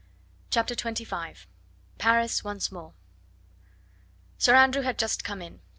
CHAPTER XXV. PARIS ONCE MORE Sir Andrew had just come in.